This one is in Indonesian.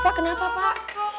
tuh pak kenapa pak